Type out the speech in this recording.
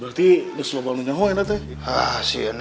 berarti sudah selalu menyebar kemana mana si neng